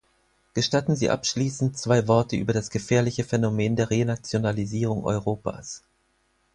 Gestatten Sie abschließend zwei Worte über das gefährliche Phänomen der Renationalisierung Europas.